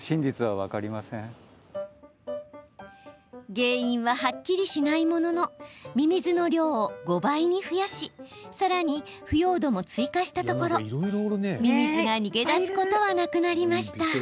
原因は、はっきりしないもののミミズの量を５倍に増やしさらに腐葉土も追加したところミミズが逃げ出すことはなくなりました。